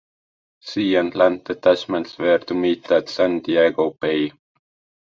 Sea and land detachments were to meet at San Diego Bay.